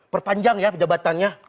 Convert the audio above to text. perpanjang ya jabatannya